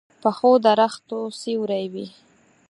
پخو درختو سیوری وي